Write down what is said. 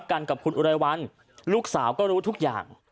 กันกับคุณอุไรวันลูกสาวก็รู้ทุกอย่าง